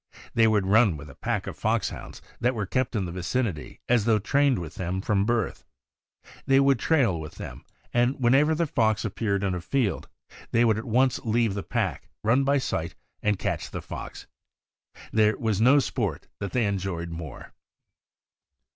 They would run with a pack of Foxhounds that were kept in the vicinity as though trained with them from birth. They would trail with them, and whenever the fox appeared in a field, they would at once leave the pack, run by sight, and catch the fox. There was no sport that they enjoyed more.